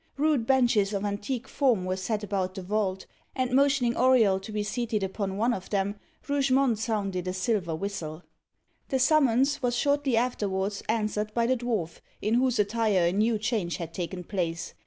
Rude benches of antique form were set about the vault, and motioning Auriol to be seated upon one of them, Rougemont sounded a silver whistle. The summons was shortly afterwards answered by the dwarf, in whose attire a new change had taken place.